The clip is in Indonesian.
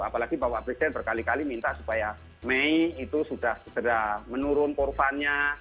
apalagi bapak presiden berkali kali minta supaya mei itu sudah segera menurun korbannya